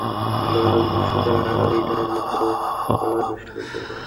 London বিশ্ববিদ্যালয়, - আরে, এটাইতো আমার বিশ্ববিদ্যালয়।